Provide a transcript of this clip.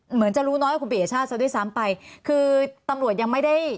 เหมือนจะรู้น้อยกว่าคุณปียชาติซะด้วยซ้ำไปคือตำรวจยังไม่ได้